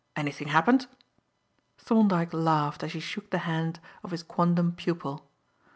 Anything happened?" Thorndyke laughed as he shook the hand of his quondam pupil.